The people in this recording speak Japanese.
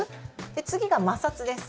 次が摩擦です。